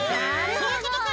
そういうことか！